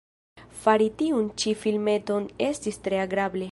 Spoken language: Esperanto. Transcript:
Fari tiun ĉi filmeton estis tre agrable.